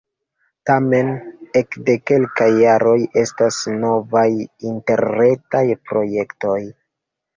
Tamen, ekde kelkaj jaroj estas novaj interretaj projektoj.